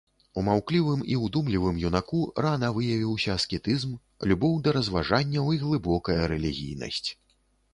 У маўклівым і удумлівым юнаку рана выявіўся аскетызм, любоў да разважанняў і глыбокая рэлігійнасць.